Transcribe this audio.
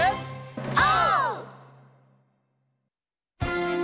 オー！